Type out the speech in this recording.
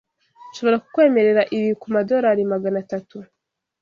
Nshobora kukwemerera ibi kumadorari magana atatu.